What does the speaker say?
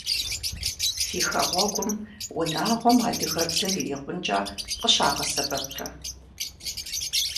Фи хэгъуэгум унагъуэм адыгэбзэр ирикъункӏэ къыщагъэсэбэпрэ?